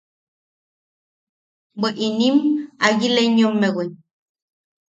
–Bwe inim ‘agileyommewiʼ.